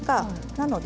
なので。